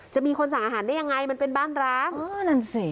จะมีคนสั่งอาหารได้ยังไงมันเป็นบ้านร้างเออนั่นสิ